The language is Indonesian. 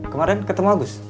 kemarin ketemu agus